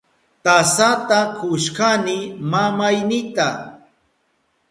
Tasata kushkani mamaynita.